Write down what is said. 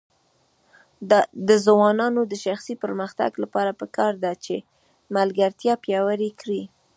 د ځوانانو د شخصي پرمختګ لپاره پکار ده چې ملګرتیا پیاوړې کړي.